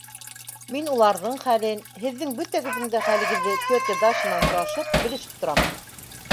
Мин уларҙың хәлен, һеҙҙең бөтәгеҙҙең дә хәлегеҙҙе тетя Дашанан һорашып, белешеп торам.